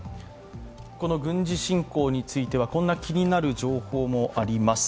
軍事侵攻についてはこんな気になる情報もあります。